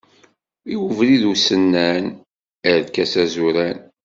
I ubrid usennan, arkas azuran.